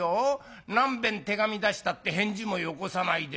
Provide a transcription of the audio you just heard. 何べん手紙出したって返事もよこさないでさ」。